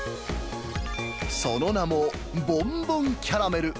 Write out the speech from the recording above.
その名も、ボンボンキャラメル。